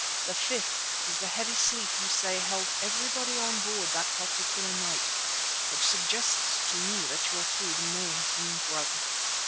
The fifth is the heavy sleep you say held everybody on board that particular night, which suggests to me that your food may have been drugged.